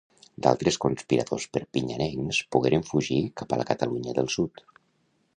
D'altres conspiradors perpinyanencs pogueren fugir cap a la Catalunya del sud.